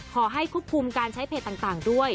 ขอให้ควบคุมการใช้เพจต่างด้วย